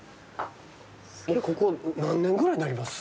ここ何年ぐらいになります？